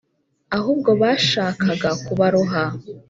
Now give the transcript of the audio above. ahubwo bashakaga kubaroha.